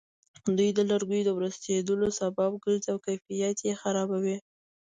دوی د لرګیو د ورستېدلو سبب ګرځي او کیفیت یې خرابوي.